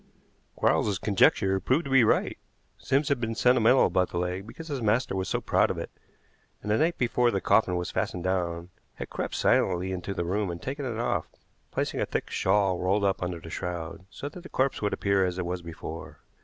Quarles's conjecture proved to be right. Sims had been sentimental about the leg because his master was so proud of it, and the night before the coffin was fastened down had crept silently into the room and taken it off, placing a thick shawl rolled up under the shroud, so that the corpse would appear as it was before.